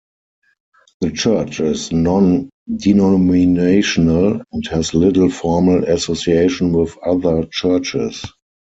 The church is non-denominational and has little formal association with other churches.